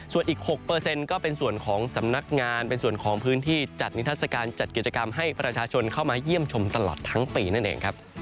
ส่วนอีก๖ก็เป็นส่วนของสำนักงานเป็นส่วนของพื้นที่จัดนิทัศกาลจัดกิจกรรมให้ประชาชนเข้ามาเยี่ยมชมตลอดทั้งปีนั่นเองครับ